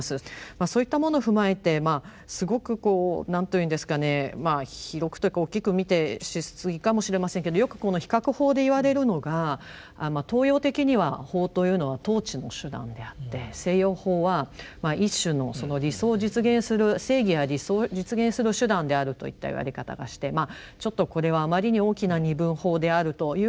そういったもの踏まえてすごくこうなんと言うんですかね広くというか大きく見てしすぎかもしれませんけどよく比較法で言われるのが東洋的には法というのは統治の手段であって西洋法は一種の理想を実現する正義や理想を実現する手段であるといった言われ方がしてちょっとこれはあまりに大きな二分法であるというふうには思うもののですね